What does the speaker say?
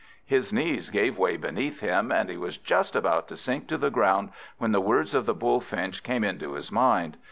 His knees gave way beneath him, and he was just about to sink to the ground, when the words of the Bullfinch came into his mind.